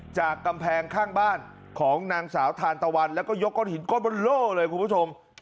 จากกำแพงข้างบ้านของนางสาวทานตะวันแล้วก็ยกก้อนหินก้อนบนโล่เลยคุณผู้ชม